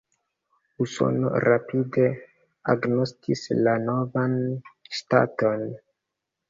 Usono rapide agnoskis la novan ŝtaton.